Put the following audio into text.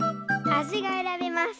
あじがえらべます。